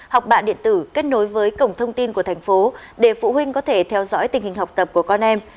học bạ điện tử kết nối với cổng thông tin của thành phố để phụ huynh có thể theo dõi tình hình học tập của con em